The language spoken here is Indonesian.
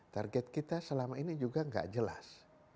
target kita selama ini juga nggak jelas